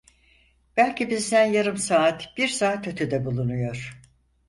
Belki bizden yarım saat, bir saat ötede bulunuyor.